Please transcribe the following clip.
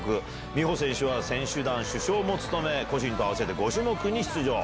美帆選手は選手団主将も務め、個人と合わせて５種目に出場。